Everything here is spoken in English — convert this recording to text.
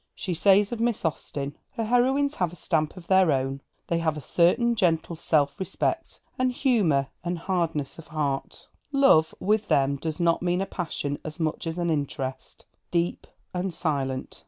She says of Miss Austen: 'Her heroines have a stamp of their own. They have a certain gentle self respect and humour and hardness of heart... Love with them does not mean a passion as much as an interest, deep and silent.'